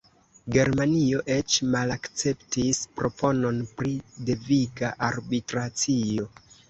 Germanio eĉ malakceptis proponon pri deviga arbitracio.